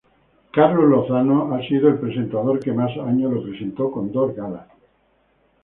Carlos Lozano ha sido el presentador que más años lo presentó con dos galas.